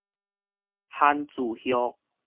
番薯葉